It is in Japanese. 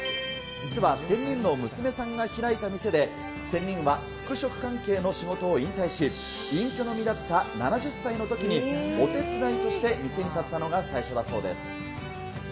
実は仙人の娘さんが開いた店で、仙人は服飾関係の仕事を引退し、隠居の身だった７０歳のときに、お手伝いとして店に立ったのが最初だそうです。